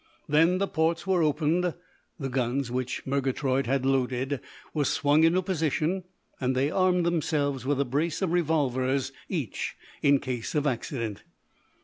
Then the ports were opened, the guns, which Murgatroyd had loaded, were swung into position, and they armed themselves with a brace of revolvers each, in case of accident.